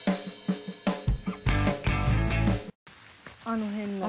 あの辺の。